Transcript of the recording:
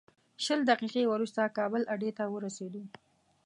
شل دقیقې وروسته کابل اډې ته ورسېدو.